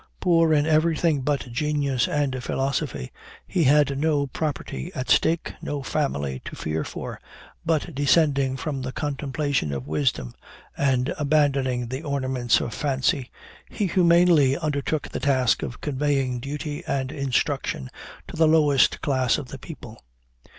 Poor in everything but genius and philosophy, he had no property at stake, no family to fear for; but descending from the contemplation of wisdom, and abandoning the ornaments of fancy, he humanely undertook the task of conveying duty and instruction to the lowest class of the people.